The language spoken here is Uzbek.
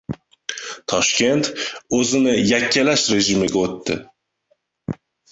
Toshkent «o‘zini yakkalash rejimi»ga o‘tdi